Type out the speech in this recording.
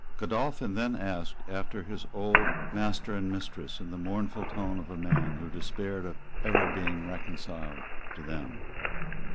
Godolphin then asked after his old master and mistress in the mournful tone of a man who despaired of ever being reconciled to them.